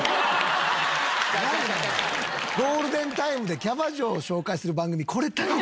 ゴールデンタイムでキャバ嬢を紹介する番組これだけ。